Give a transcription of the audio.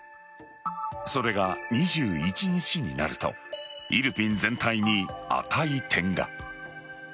それが２１日になるとイルピン全体に赤い点が。